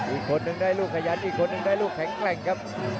อีกคนนึงได้ลูกขยันอีกคนนึงได้ลูกแข็งแกร่งครับ